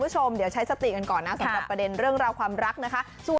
สำหรับประเด็นเรื่องราวความรักนะคะ